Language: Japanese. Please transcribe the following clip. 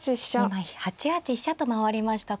今８八飛車と回りました。